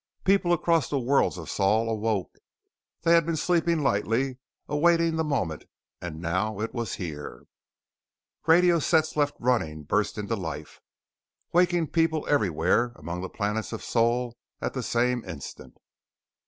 People across the worlds of Sol awoke; they had been sleeping lightly, awaiting The Moment and now it was here! Radio sets left running burst into life, waking people everywhere among the planets of Sol at the same instant.